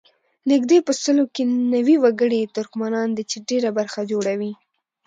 نږدې په سلو کې نوي وګړي یې ترکمنان دي چې ډېره برخه جوړوي.